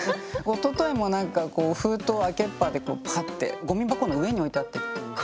おとといもなんか封筒を開けっぱでこうパッてゴミ箱の上に置いてあって。